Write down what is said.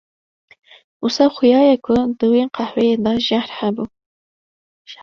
Wisa xwiya ye ku di wî qehweyî de jahr hebû.